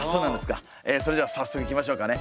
それでは早速いきましょうかね。